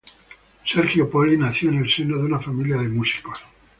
Sergio Poli nació en el seno de una familia de músicos.